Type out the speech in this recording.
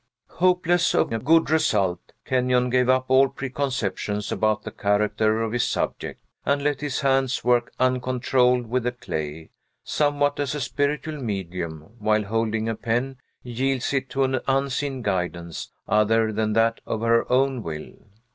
Hopeless of a good result, Kenyon gave up all preconceptions about the character of his subject, and let his hands work uncontrolled with the clay, somewhat as a spiritual medium, while holding a pen, yields it to an unseen guidance other than that of her own will.